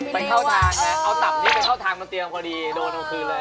พี่บอกแล้วเนี่ยเขาเป็นคนร้าย